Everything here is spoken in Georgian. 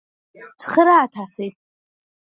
ცხრაათასი